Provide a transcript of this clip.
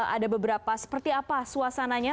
ada beberapa seperti apa suasananya